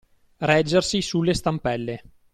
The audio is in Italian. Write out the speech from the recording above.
Reggersi sulle stampelle.